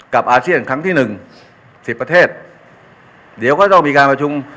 อาเซียนครั้งที่หนึ่งสิบประเทศเดี๋ยวก็ต้องมีการประชุม